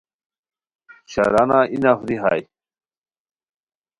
شرانہ ای نفری ہائے